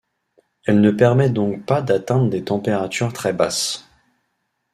Elle ne permet donc pas d'atteindre des températures très basses.